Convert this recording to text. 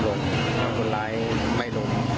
แล้วคนร้ายไม่ล้ม